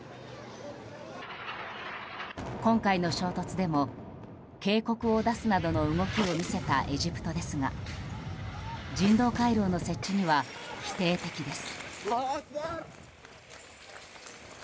今回の衝突でも警告を出すなどの動きを見せたエジプトですが人道回廊の設置には否定的です。